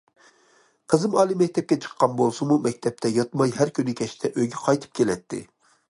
قىزىم ئالىي مەكتەپكە چىققان بولسىمۇ مەكتەپتە ياتماي ھەر كۈنى كەچتە ئۆيگە قايتىپ كېلەتتى.